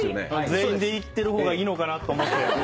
全員で行ってる方がいいのかなと思って。